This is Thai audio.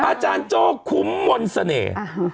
อาจารย์โจ้คุ้มมนต์เสน่ห์